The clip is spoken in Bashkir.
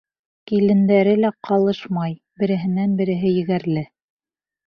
Килендәре лә ҡалышмай, береһенән-береһе егәрле.